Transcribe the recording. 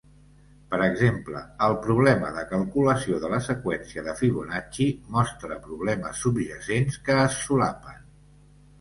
Per exemple, el problema de calculació de la seqüència de Fibonacci mostra problemes subjacents que es solapen.